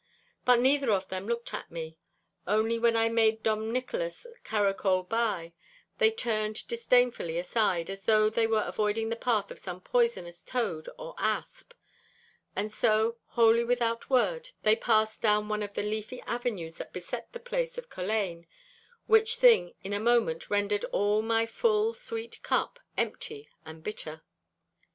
But neither of them looked at me. Only when I made Dom Nicholas caracole by, they turned disdainfully aside as though they were avoiding the path of some poisonous toad or asp. And so, wholly without word, they passed down one of the leafy avenues that beset the place of Culzean, which thing in a moment rendered all my full, sweet cup empty and bitter.